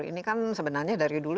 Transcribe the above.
ini kan sebenarnya dari dulu